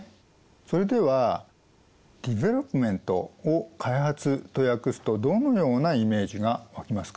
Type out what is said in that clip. それではＤｅｖｅｌｏｐｍｅｎｔを開発と訳すとどのようなイメージが湧きますか？